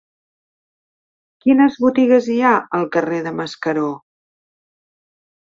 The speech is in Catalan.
Quines botigues hi ha al carrer de Mascaró?